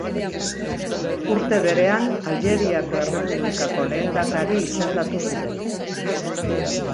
Urte berean, Aljeriako Errepublikako lehendakari izendatu zuten.